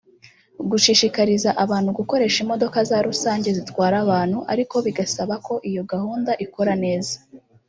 Gushishikariza abantu gukoresha imodoka za rusange zitwara abantu (ariko bigasaba ko iyo gahunda ikora neza)